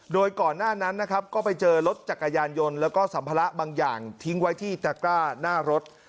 โดยก่อนหน้านั้นนะครับก็ไปเจอรถจักรยานยนต์แล้วก็สัมภาระบางอย่างทิ้งไว้ที่ตะกร้าหน้ารถ